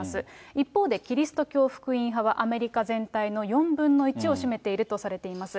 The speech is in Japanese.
一方で、キリスト教福音派はアメリカ全体の４分の１を占めているとされています。